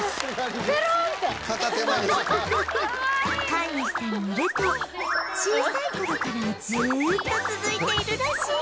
飼い主さんによると小さい頃からずっと続いているらしい